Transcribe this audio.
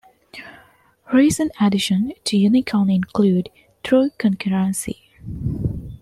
Recent additions to Unicon include true concurrency.